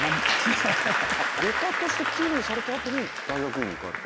外科として勤務された後に大学院に行かれた？